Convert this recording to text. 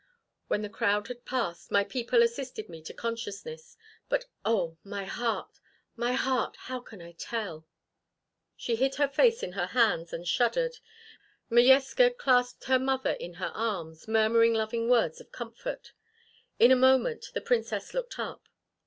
When the crowd had passed, my people assisted me to consciousness, but oh, my heart my heart! How can I tell?" She bid her face in her hands and shuddered. Modjeska clasped her in other in her arms, murmuring loving words of comfort. In a moment the Princess looked up.